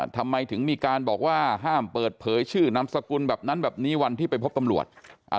ทำไมถึงมีการบอกว่าห้ามเปิดเผยชื่อนามสกุลแบบนั้นแบบนี้วันที่ไปพบตำรวจ